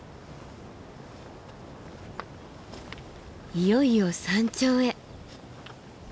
いよいよ山頂へ。